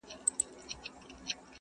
زموږ پر کور باندي نازل دومره لوی غم دی -